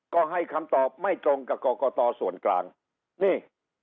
ก็ให้คำตอบไม่ตรงกับกรกตส่วนกลางนี่